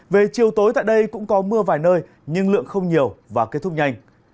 về chiều tối tại đây cũng có mưa vài nơi nhưng lượng không nhiều và kết thúc nhanh